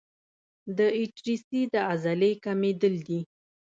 د ایټریسي د عضلې کمېدل دي.